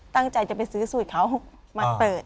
ตั้งใจจะไปซื้อสูตรเขามาเปิด